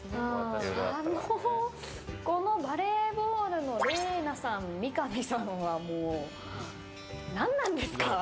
このバレーボールの嶺衣奈さん、三上さんは何なんですか？